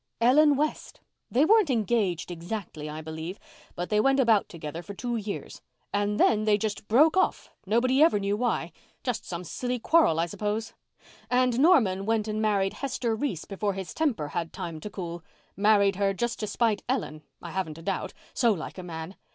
"Ellen West. They weren't engaged exactly, I believe, but they went about together for two years. And then they just broke off—nobody ever knew why. Just some silly quarrel, I suppose. And Norman went and married Hester Reese before his temper had time to cool—married her just to spite Ellen, I haven't a doubt. So like a man!